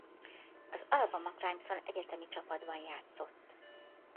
Az Alabama Crimson egyetemi csapatban játszott.